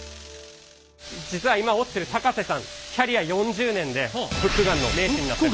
実は今織ってる高瀬さんキャリア４０年でフックガンの名手に。